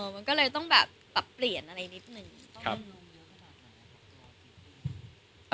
มันก็เลยต้องปรับเปลี่ยนอะไรนิดนึง